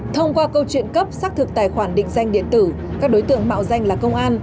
thông qua câu chuyện cấp xác thực tài khoản định danh điện tử các đối tượng mạo danh là công an